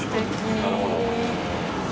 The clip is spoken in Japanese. なるほど。